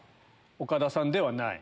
岡田さんではない？